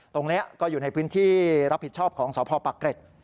ตรงนี้ก็อยู่ในพื้นที่รับผิดชอบของสพปะเกร็ด